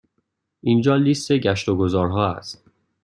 اینجا لیست گشت و گذار ها است.